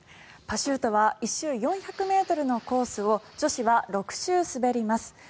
パシュートは１周４００ｍのコースを女子は６周滑ります。